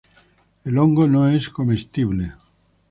El hongo no es comestible.